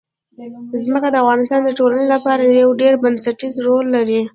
ځمکه د افغانستان د ټولنې لپاره یو ډېر بنسټيز رول لري.